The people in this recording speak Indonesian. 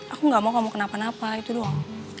aku gak mau kamu kenapa napa itu doang